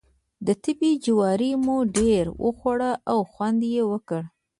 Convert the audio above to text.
د تبۍ جواری مو ډېر وخوړ او خوند یې وکړ.